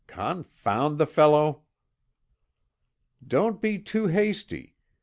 Confound the fellow!" "Don't be too hasty.